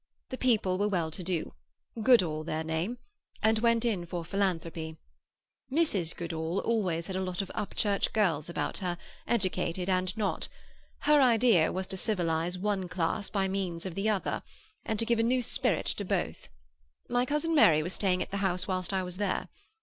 The people were well to do—Goodall their name—and went in for philanthropy. Mrs. Goodall always had a lot of Upchurch girls about her, educated and not; her idea was to civilize one class by means of the other, and to give a new spirit to both. My cousin Mary was staying at the house whilst I was there.